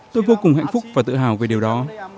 tôi vô cùng hạnh phúc và tự hào về điều đó